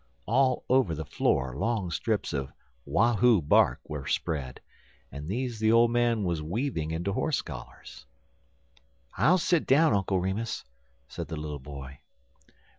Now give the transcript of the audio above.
All over the floor long strips of "wahoo" bark were spread, and these the old man was weaving into horse collars. "I'll sit down, Uncle Remus," said the little boy.